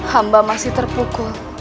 hamba masih terpukul